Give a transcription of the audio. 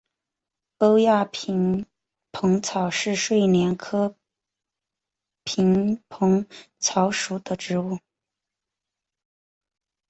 欧亚萍蓬草是睡莲科萍蓬草属的植物。